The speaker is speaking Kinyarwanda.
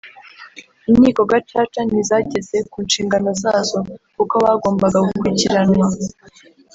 Inkiko Gacaca ntizageze ku nshingano zazo kuko bagombaga gukurikiranwa”